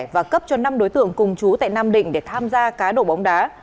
và cấp cho năm đối tượng cùng chú tại nam định để tham gia cá độ bóng đá